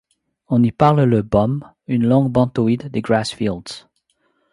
On y parle le bum, une langue bantoïde des Grassfields.